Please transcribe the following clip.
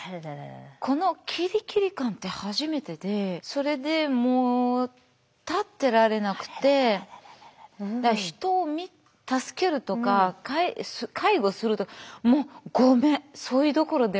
このキリキリ感って初めてでそれでもう立ってられなくてだから人を助けるとか介護するとかもうごめんそれどころではない。